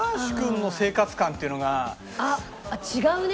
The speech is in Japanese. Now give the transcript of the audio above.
あっ違うね！